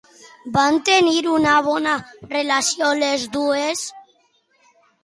Van tenir una bona relació les dues?